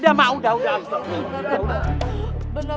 udah mak udah mak udah mak udah